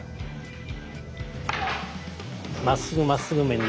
まっすぐまっすぐ面に。